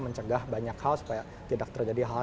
mencegah banyak hal supaya tidak terjadi hal hal